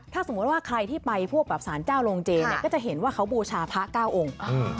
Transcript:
ถ้าสมมุติว่าใครที่ไปพวกแบบสารเจ้าโรงเจเนี่ยก็จะเห็นว่าเขาบูชาพระเก้าองค์